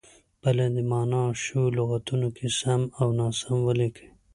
په لاندې معنا شوو لغتونو کې سم او ناسم ولیکئ.